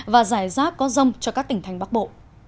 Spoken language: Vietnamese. và giải rác có rông cho các tỉnh thành bắc bộ